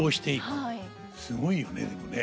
すごいよねでもね。